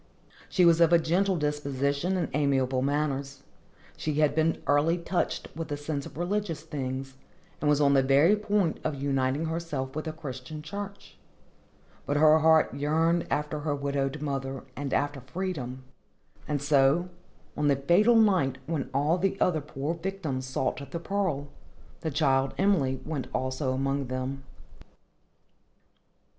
She was of a gentle disposition and amiable manners; she had been early touched with a sense of religious things, and was on the very point of uniting herself with a Christian church; but her heart yearned after her widowed mother and after freedom, and so, on the fatal night when all the other poor victims sought the Pearl, the child Emily went also among them.